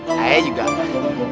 saya juga pak